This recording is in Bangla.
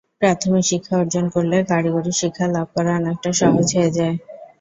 প্রাথমিক শিক্ষা অর্জন করলে কারিগরি শিক্ষা লাভ করা অনেকটা সহজ হয়ে যায়।